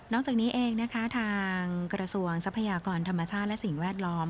จากนี้เองนะคะทางกระทรวงทรัพยากรธรรมชาติและสิ่งแวดล้อม